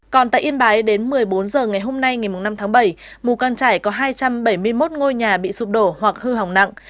còn tại yên bái đến một mươi bốn h ngày hôm nay ngày năm tháng bảy mù căng trải có hai trăm bảy mươi một ngôi nhà bị sụp đổ hoặc hư hỏng nặng